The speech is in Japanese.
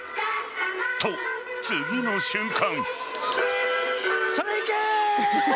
と、次の瞬間。